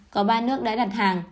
có ba nước đã đặt hàng